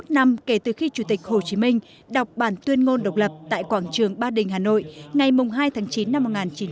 bảy mươi một năm kể từ khi chủ tịch hồ chí minh đọc bản tuyên ngôn độc lập tại quảng trường ba đình hà nội ngày hai tháng chín năm một nghìn chín trăm bốn mươi năm